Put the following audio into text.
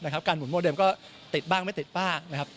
การหมุนโมเดมก็ติดบ้างไม่ติดบ้างนะครับ